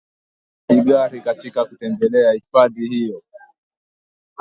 hautahitaji gari katika kutembelea hifadhi hiyo